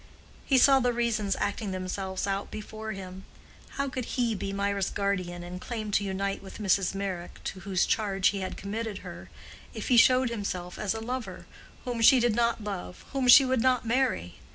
He saw the reasons acting themselves out before him. How could he be Mirah's guardian and claim to unite with Mrs. Meyrick, to whose charge he had committed her, if he showed himself as a lover—whom she did not love—whom she would not marry?